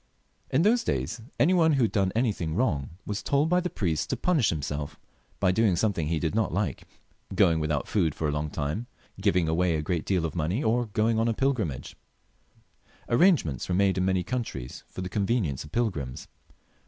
In those days any one who had done anything wrong was told by the priests to punish himseK by doing something he did not like — going without food for a long time, giving away a great deal of money, or going on a pilgrimage. . I ^nj PHILIP L 67 ■ ■I ■ .1 ■ I ,> I II ■ I I I . Arrangements were made in many countries for the convenience of pilgrims.